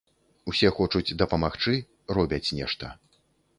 Усе хочуць дапамагчы, робяць нешта.